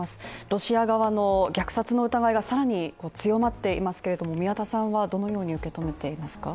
ロシア側の虐殺の疑いが更に強まっていますが宮田さんは、どのように受け止めていますか？